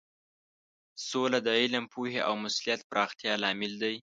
سوله د علم، پوهې او مسولیت پراختیا لامل دی.